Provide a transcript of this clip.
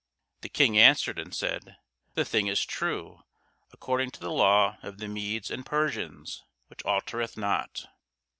The King answered and said, The thing is true, according to the law of the Medes and Persians, which altereth not.